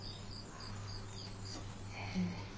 へえ。